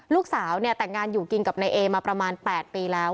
ลูกสาวเนี่ยแต่งงานอยู่กินกับนายเอมาประมาณ๘ปีแล้ว